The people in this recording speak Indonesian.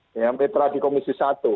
saya tahu karena beliau dari komisi satu